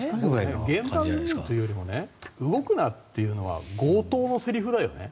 現場のというよりも動くなというのは強盗のせりふだよね。